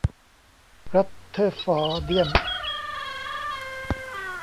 รัทเทอร์ฟอร์เดียม